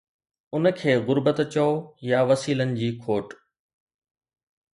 ان کي غربت چئو يا وسيلن جي کوٽ.